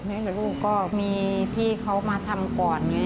แล้วลูกก็มีพี่เขามาทำก่อน